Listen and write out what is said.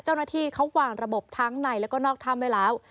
เจ้าหน้าที่เขาวางระบบทั้งในแล้วก็นอกถ้ำไว้แล้ว